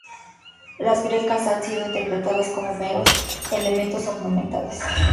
Las grecas han sido interpretadas como meros elementos ornamentales.